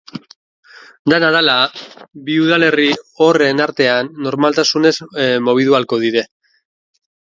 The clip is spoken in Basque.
Dena dela, bi udalerri horien artean normaltasunez mugitu ahalko dira.